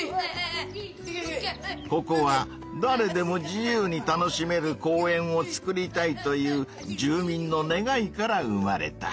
ここは「だれでも自由に楽しめる公園をつくりたい」という住民の願いから生まれた。